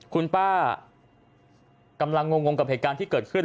คุณป้ากำลังงงกับเหตุการณ์ที่เกิดขึ้น